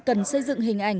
cần xây dựng hình ảnh